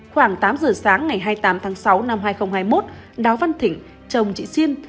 khoảng tám giờ sáng ngày hai mươi tám tháng sáu năm hai nghìn hai mươi một đào văn thỉnh chồng chị siêm